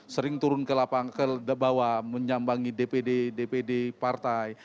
sering turun ke bawah menyambangi dpd dpd partai